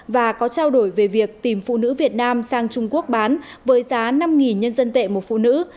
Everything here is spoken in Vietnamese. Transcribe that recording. và có trao đổi về việc tìm phụ nữ việt nam sang trung quốc bán với giá năm nhân dân tệ một phụ nữ